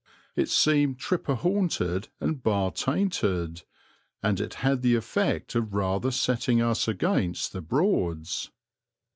It seemed tripper haunted and bar tainted, and it had the effect of rather setting us against the Broads.